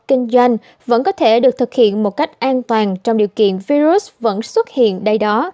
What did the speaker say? kinh doanh vẫn có thể được thực hiện một cách an toàn trong điều kiện virus vẫn xuất hiện đây đó